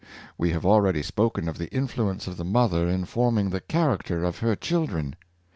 We have already spoken of the influence of the mother in forming the character of her children.